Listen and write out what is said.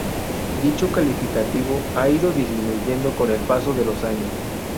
Dicho calificativo ha ido disminuyendo con el paso de los años.